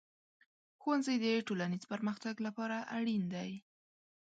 ښوونځی د ټولنیز پرمختګ لپاره اړین دی.